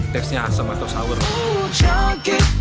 teksnya asem atau sedikit sedikit sedikit